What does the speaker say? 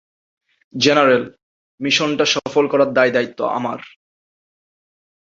General, মিশনটা সফল করার দায়-দায়িত্ব আমার!